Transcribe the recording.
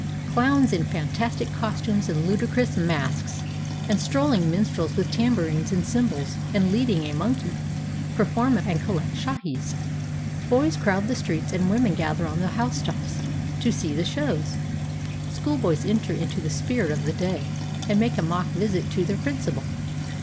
Clowns in fantastic costumes and ludicrous masks, and 432 NEW YEAR'S CALLS AND GIFTS strolling minstrels with tambourines and cymbals and leading a monkey, perform and collect shahis. Boys crowd the streets, and women gather on the housetops, to see the shows. School boys enter into the spirit of the day and make a mock visit to their principal.